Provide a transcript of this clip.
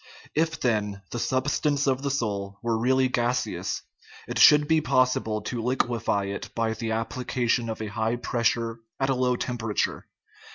If, then, the substance of the soul were really gaseous, it should be possible to liquefy it by the application of a high pressure at a low tem perature.